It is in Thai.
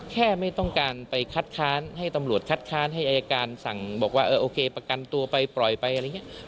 ไม่ต้องการไปคัดค้านให้ตำรวจคัดค้านให้อายการสั่งบอกว่าโอเคประกันตัวไปปล่อยไปอะไรอย่างนี้